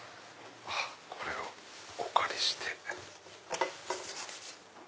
これをお借りして。